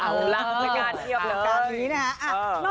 เอาล่ะประกาศเยี่ยมเลย